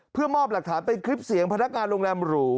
เพื่อมอบหลักฐานเป็นคลิปเสียงพนักงานโรงแรมหรู